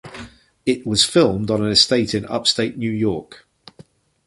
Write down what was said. It was filmed on an estate in Upstate New York.